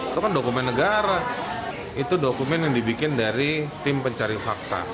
itu kan dokumen negara itu dokumen yang dibikin dari tim pencari fakta